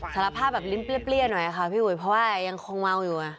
สารภาพแบบลิ้นเปรี้ยหน่อยค่ะพี่อุ๋ยเพราะว่ายังคงเมาอยู่